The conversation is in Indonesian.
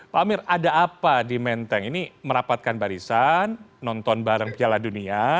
pak amir ada apa di menteng ini merapatkan barisan nonton bareng piala dunia